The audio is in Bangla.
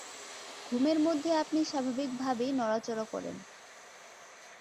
ঘুমের মধ্যে আপনি স্বাভাবিকভাবেই নড়াচড়া করেন।